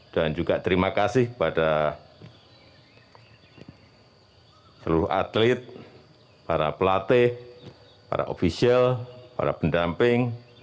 dan juga terima kasih kepada seluruh atlet para pelatih para ofisial para pendamping